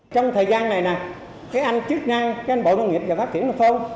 trong thời gian này nè cái anh chức năng cái anh bộ nông nghiệp và phát triển là không